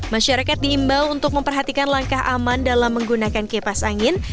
masyarakat diimbau untuk memperhatikan langkah aman dalam menggunakan kipas angin